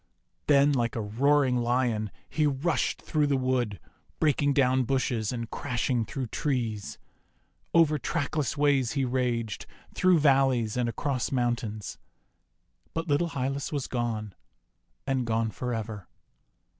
Then, like a roaring Lion, he rushed through the wood, breaking down bushes and crashing through trees. Over trackless ways he raged, through valleys and across mountains; but little Hylas was gone, and gone for ever.